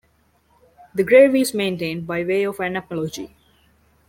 The grave is maintained by way of an apology.